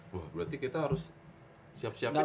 wah berarti kita harus siap siapnya gimana